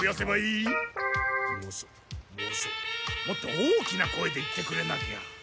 もっと大きな声で言ってくれなきゃ。